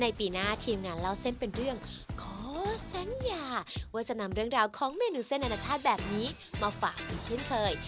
ปีหน้าทีมงานเล่าเส้นเป็นเรื่องขอสัญญาว่าจะนำเรื่องราวของเมนูเส้นอนาชาติแบบนี้มาฝากอีกเช่นเคย